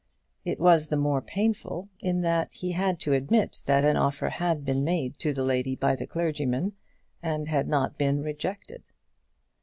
It was the more painful in that he had to admit that an offer had been made to the lady by the clergyman, and had not been rejected.